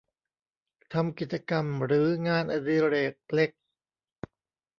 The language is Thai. ทำกิจกรรมหรืองานอดิเรกเล็ก